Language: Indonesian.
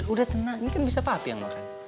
udah tenang ini kan bisa papi yang makan